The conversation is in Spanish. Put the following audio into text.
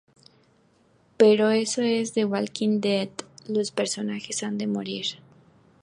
Pero, eso es "The Walking Dead", los personajes han de morir.